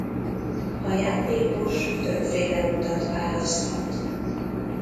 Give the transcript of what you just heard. A játékos többféle utat választhat.